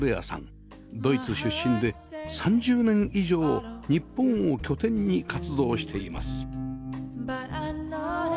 ドイツ出身で３０年以上日本を拠点に活動しています